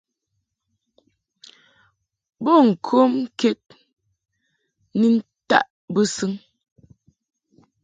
Bo ŋkom ked ni ntaʼ bɨsɨŋ.